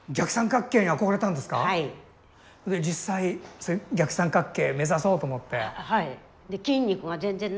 で実際逆三角形目指そうと思って？